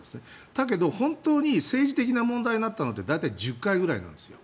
だけど、本当に政治的な問題になったのって大体１０回ぐらいなんですよ。